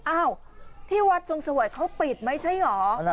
อ้าวที่วัดทรงเสวยเขาปิดไม่ใช่เหรอ